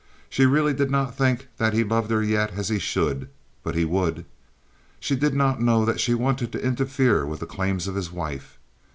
She really did not think that he loved her yet as he should; but he would. She did not know that she wanted to interfere with the claims of his wife.